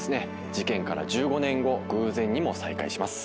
事件から１５年後偶然にも再会します。